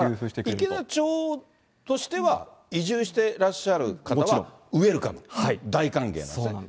池田町としては、移住してらっしゃる方はウエルカム、大歓迎なんですね。